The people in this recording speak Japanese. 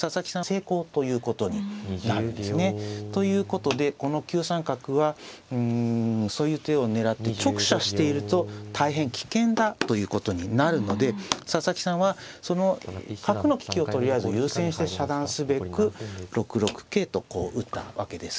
成功ということになるんですね。ということでこの９三角はそういう手を狙って直射していると大変危険だということになるので佐々木さんはその角の利きをとりあえず優先して遮断すべく６六桂とこう打ったわけです。